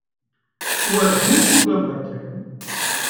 Werǧin i tugad akken.